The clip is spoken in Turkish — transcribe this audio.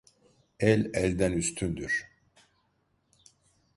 El elden üstündür.